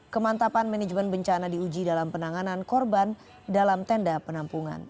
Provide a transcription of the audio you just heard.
kemantapan manajemen bencana diuji dalam penanganan korban dalam tenda penampungan